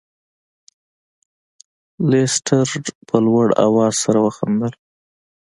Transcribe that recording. لیسټرډ په لوړ اواز سره وخندل.